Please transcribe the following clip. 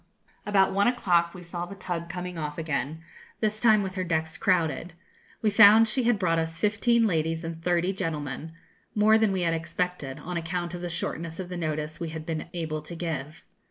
About one o'clock we saw the tug coming off again, this time with her decks crowded. We found she had brought us fifteen ladies and thirty gentlemen more than we had expected, on account of the shortness of the notice we had been able to give.